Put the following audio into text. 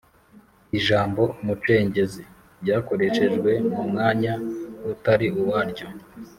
Ijambo “Umucengezi” ryakoreshejwe mu mwanya utari uwaryo